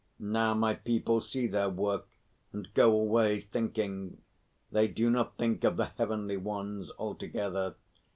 Now my people see their work, and go away thinking. They do not think of the Heavenly Ones altogether.